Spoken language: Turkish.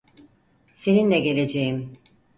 Seninle geleceğim.